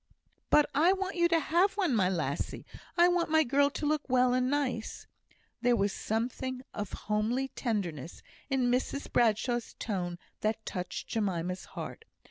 "But I want you to have one, my lassie. I want my girl to look well and nice." There was something of homely tenderness in Mrs Bradshaw's tone that touched Jemima's heart.